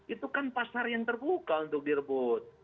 itu kan pasar yang terbuka untuk direbut